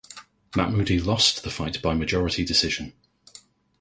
Mahmoudi lost the fight by majority decision.